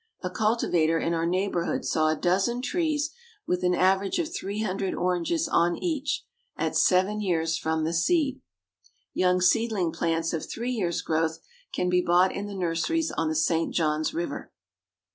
A cultivator in our neighborhood saw a dozen trees, with an average of three hundred oranges on each, at seven years from the seed. Young seedling plants of three years' growth can be bought in the nurseries on the St. John's River.